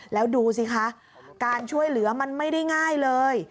แล้วดูสิคะการช่วยเหลือมันไม่ได้ง่ายเลย